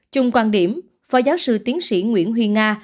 chung quan điểm phó giáo sư tiến sĩ nguyễn huy nga